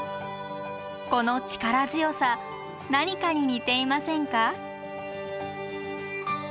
この力強さ何かに似ていませんか？